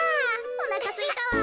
おなかすいたわ。